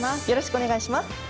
よろしくお願いします。